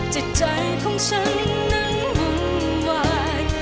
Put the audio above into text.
จิตใจของฉันนั้นวุ่นวาย